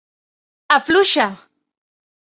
Afluixa!